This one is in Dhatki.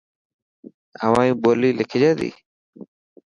اوهائي ٻولي لکجي تي.